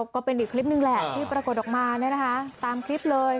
ก็เป็นอีกคลิปหนึ่งที่ประกอบออกมานะค่ะตามคลิปเลย